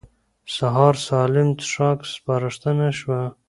سهار سالم څښاک سپارښتنه شوه.